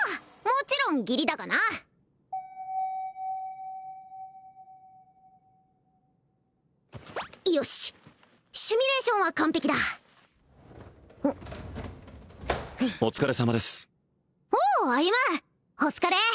もちろん義理だがなよしっシミュレーションは完璧だお疲れさまですおう歩お疲れ